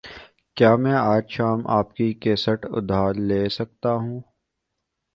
کیا میں آج شام آپکی کیسٹ ادھار لے سکتا ہوں؟